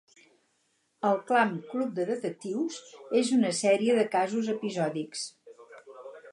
El "Clamp, club de detectius" és una sèrie de casos episòdics.